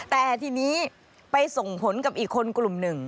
แต่ทีนี้ไปส่งผลกับอีกคนกลุ่มหนึ่ง